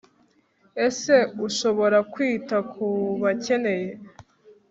ese ushobora kwita ku bakeneye